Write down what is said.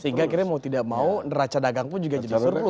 sehingga akhirnya mau tidak mau neraca dagang pun juga jadi surplus